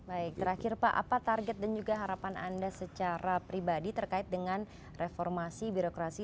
baik terakhir pak apa target dan juga harapan anda secara pribadi terkait dengan reformasi birokrasi